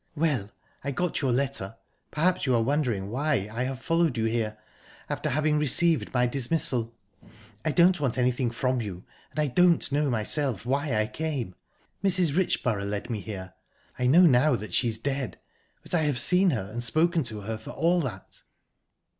"Well, I got your letter. Perhaps you are wondering why I have followed you here, after having received my dismissal. I don't want anything from you, and I don't know myself why I came. Mrs. Richborough led me here. I know now that she's dead, but I have seen her and spoken to her, for all that."